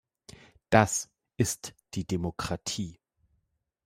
Das ist die Demokratie.